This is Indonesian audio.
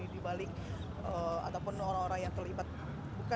di balik ataupun orang orang yang terlibat bukan hanya sekedar siapa siapa